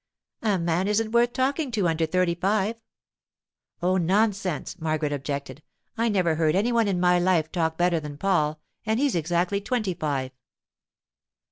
'A man isn't worth talking to under thirty five.' 'Oh, nonsense!' Margaret objected. 'I never heard any one in my life talk better than Paul, and he's exactly twenty five.